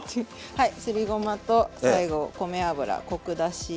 はいすりごまと最後米油コク出し